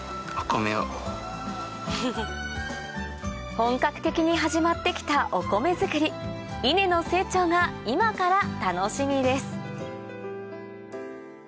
本格的に始まってきたお米作り稲の成長が今から楽しみです